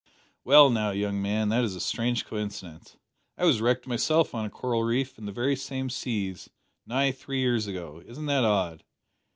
"Well now, young man, that is a strange coincidence. I was wrecked myself on a coral reef in the very same seas, nigh three years ago. Isn't that odd?"